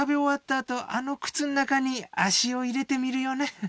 あとあの靴の中に足を入れてみるよね。